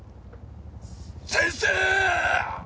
先生！！